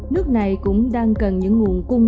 nước này cũng đang cần những nguồn cung